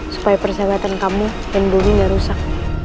supaya persahabatan kamu dan bumi gak rusak